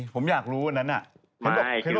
ผมอยากรู้อันนั้น